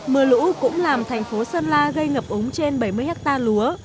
mưa lũ cũng làm thành phố sơn la gây ngập úng trên bảy mươi hectare lúa